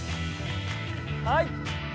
はい！